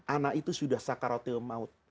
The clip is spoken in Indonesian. anak itu sudah sakarotil maut